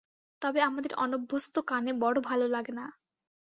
তবে আমাদের অনভ্যস্ত কানে বড় ভাল লাগে না।